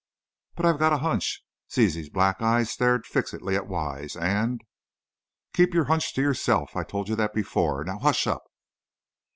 "But I've got a hunch " Zizi's black eyes stared fixedly at Wise, "and " "Keep your hunch to yourself! I told you that before! Now, hush up."